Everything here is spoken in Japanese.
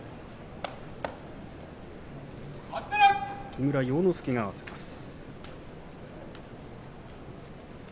木村要之助が合わせます。